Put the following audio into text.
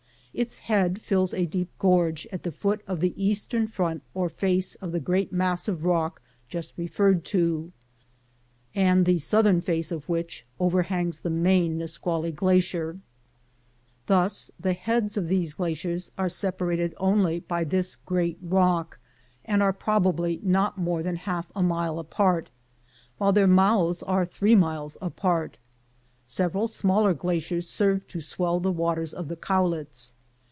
Its head fills a deep gorge at the foot of the eastern front or face of the great mass of rock just referred to, and the southern face of which overhangs the main Nisqually glacier. Thus the heads of these glaciers are sepa rated only by this great rock, and are probably not 1 25 MOUNT RAINIER more than half a mile apart, while their mouths are three miles apart. Several smaller glaciers serve to swell the waters of the Cowlitz.